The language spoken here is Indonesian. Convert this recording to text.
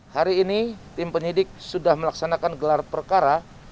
hari ini tim penyidik sudah melaksanakan gelar perkara